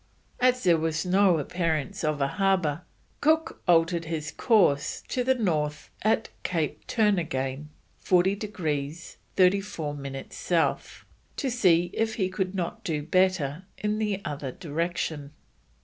As there was no appearance of a harbour, Cook altered his course to the north at Cape Turnagain, 40 degrees 34 minutes South, to see if he could not do better in the other direction.